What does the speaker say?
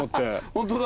ホントだ。